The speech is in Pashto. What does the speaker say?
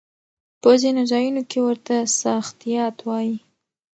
په ځينو ځايونو کې ورته ساختيات وايي.